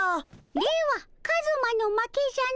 ではカズマの負けじゃの。